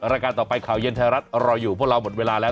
รายการต่อไปข่าวเย็นไทยรัฐรออยู่พวกเราหมดเวลาแล้ว